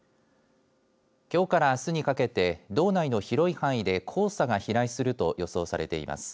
きょうからあすにかけて道内の広い範囲で黄砂が飛来すると予想されています。